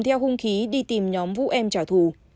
theo hung khí đi tìm nhóm vũ em trả thù